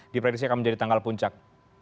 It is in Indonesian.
diprediksi akan menjadi tanggal puncak